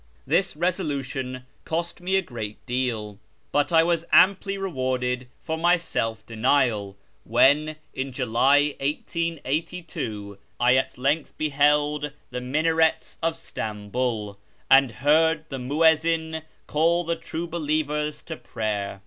This resolution cost me a good deal, but I was amply rewarded for my self denial when, in July 1882, I at length beheld the minarets of Stamboul, and heard the Muezzin call the true believers to prayer.